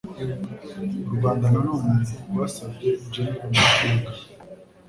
U Rwanda na none rwasabye General Makenga